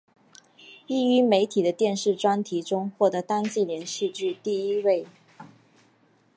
亦于媒体的电视专题中获得当季连续剧第一位。